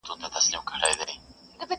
علم وویل زما ډیر دي آدرسونه٫